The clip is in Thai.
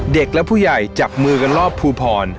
เด็กและผู้ใหญ่จับมือกันรอบภูพร